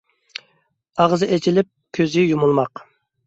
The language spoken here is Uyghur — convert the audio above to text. ئاغزى ئېچىلىپ كۆزى يۇمۇلماق.